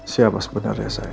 siapa sebenarnya saya